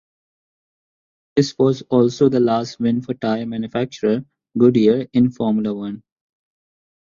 This was also the last win for tyre manufacturer Goodyear in Formula One.